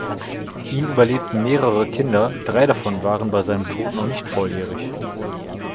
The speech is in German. Ihn überlebten mehrere Kinder, drei davon waren bei seinem Tod noch nicht volljährig.